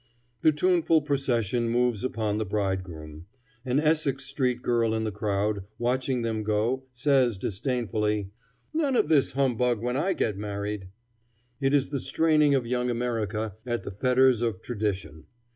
The tuneful procession moves upon the bridegroom. An Essex street girl in the crowd, watching them go, says disdainfully: "None of this humbug when I get married." It is the straining of young America at the fetters of tradition.